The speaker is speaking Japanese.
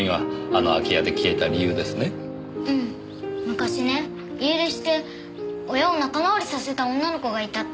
昔ね家出して親を仲直りさせた女の子がいたって。